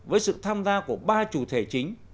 với sự tham gia của ba chủ thể chính